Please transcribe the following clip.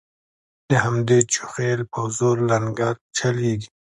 د همدې چوخې په زور لنګرچلیږي